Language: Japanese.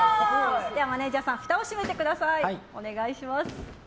マネジャーさんふたを閉めてください。